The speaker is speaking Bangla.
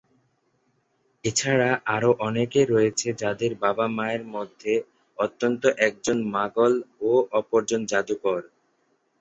এছাড়া আরো অনেকে রয়েছে যাদের বাবা-মায়ের মধ্যে অন্তত একজন মাগল ও অপরজন জাদুকর।